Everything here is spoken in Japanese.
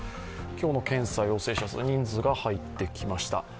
今日の検査陽性者数、人数が入ってきました。